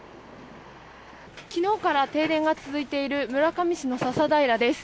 昨日から停電が続いている村上市の笹平です。